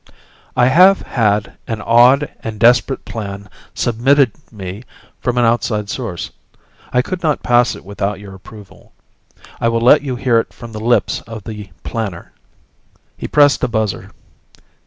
"I have had an odd and desperate plan submitted me from an outside source. I could not pass it without your approval. I will let you hear it from the lips of the planner." He pressed a buzzer.